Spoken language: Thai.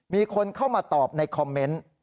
มีคนเข้ามาตอบในคอมเมนต์